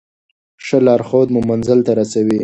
ښه لارښود مو منزل ته رسوي.